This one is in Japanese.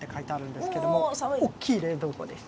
おっきい冷凍庫です。